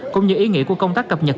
cũng như ý nghĩa của công tác cập nhật